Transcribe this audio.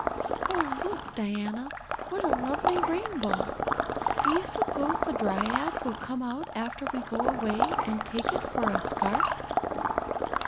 Oh, look, Diana, what a lovely rainbow! Do you suppose the dryad will come out after we go away and take it for a scarf?"